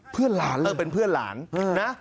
เพื่อนหลานเออเป็นเพื่อนหลานนะ